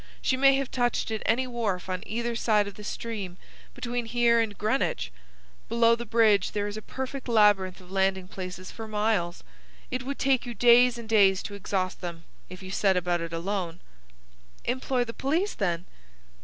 She may have touched at any wharf on either side of the stream between here and Greenwich. Below the bridge there is a perfect labyrinth of landing places for miles. It would take you days and days to exhaust them, if you set about it alone." "Employ the police, then."